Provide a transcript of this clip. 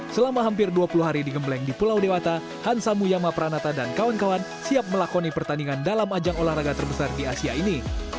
selama hampir dua puluh hari digembleng di pulau dewata hansa muyama pranata dan kawan kawan siap melakoni pertandingan dalam ajang olahraga terbesar di asia ini